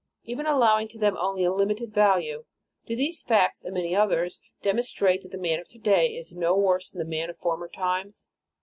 Even allowing to them only a limited value, do these facts and many others, demonstrate that the man of to day is no worse than the man of former times?